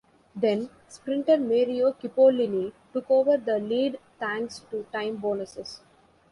Then, sprinter Mario Cipollini took over the lead thanks to time bonuses.